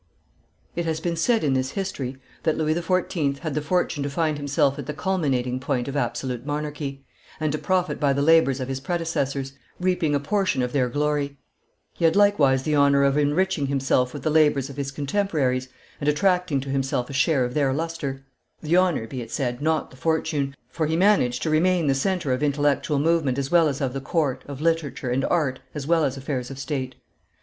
It has been said in this History that Louis XIV. had the fortune to find himself at the culminating point of absolute monarchy, and to profit by the labors of his predecessors, reaping a portion of their glory; he had likewise the honor of enriching himself with the labors of his contemporaries, and attracting to himself a share of their lustre; the honor, be it said, not the fortune, for he managed to remain the centre of intellectual movement as well as of the court, of literature and art as well as affairs of state.